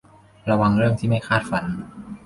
ระวังเรื่องที่ไม่คาดฝัน